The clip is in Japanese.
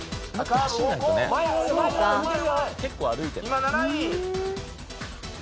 今７位！